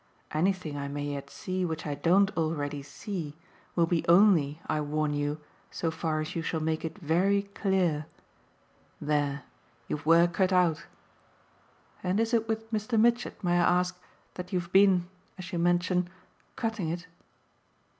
Anything I may yet see which I don't already see will be only, I warn you, so far as you shall make it very clear. There you've work cut out. And is it with Mr. Mitchett, may I ask, that you've been, as you mention, cutting it?"